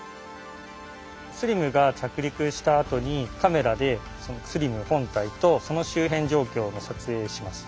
ＳＬＩＭが着陸したあとにカメラでＳＬＩＭ本体とその周辺状況を撮影します。